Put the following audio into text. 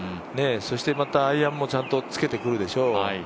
そしてまた、アイアンもちゃんとつけてくるでしょ？